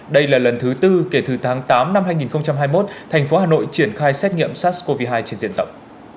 đây là lần thứ tư kể từ tháng tám năm hai nghìn hai mươi một thành phố hà nội triển khai xét nghiệm sars cov hai trên diện rộng